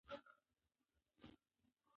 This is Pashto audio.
دا کتاب موږ ته ښيي چې سوله تر هر څه مهمه ده.